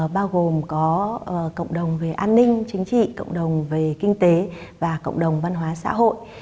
bao gồm có cộng đồng về an ninh chính trị cộng đồng về kinh tế và cộng đồng văn hóa xã hội